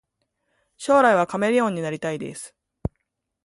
将来はカメレオンになりたいです